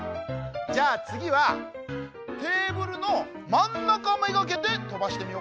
じゃあつぎはテーブルのまんなかめがけてとばしてみよっか。